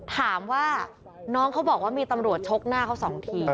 ถามว่าน้องเขาบอกว่ามีตำรวจชกหน้าเขาสองที